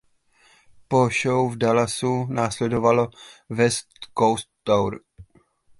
Po show v Dallasu následovalo West Coast tour.